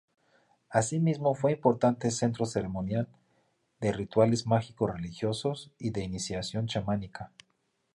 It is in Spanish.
Asimismo, fue importante centro ceremonial de rituales mágico-religiosos y de iniciación chamánica.